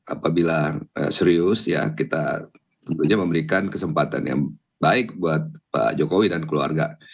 apabila serius ya kita tentunya memberikan kesempatan yang baik buat pak jokowi dan keluarga